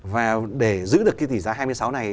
và để giữ được cái tỷ giá hai mươi sáu này